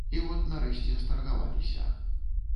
І от нарэшце старгаваліся.